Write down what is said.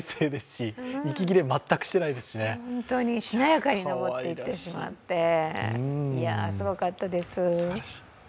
しなやかに登っていってしまって、すごかったです。